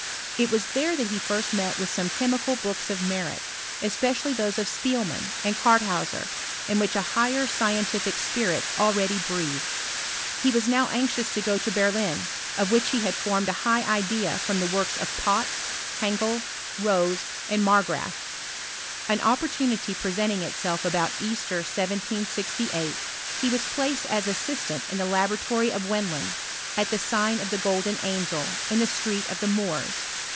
It was there that he first met with some chemical books of merit, es pecially those of Spiebnan, and Cartheuaer, in which a higher scientific spirit already breathed. He was ' now anxious to go to Berlin, of which he had formed a high idea from the works of Pott, Henkel, Rose, FR06RE8B OF ANALYTICAL CHBMISTRT. 193 and Margraaf. An opportunity presenting itself ■about Easter, 1768, he was placed as assistant in the laboratory of Wendland, at the sign of the Golden Angel, in the Street of the Moors.